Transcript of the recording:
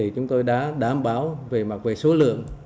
chúng tôi đã đảm bảo về mặt số lượng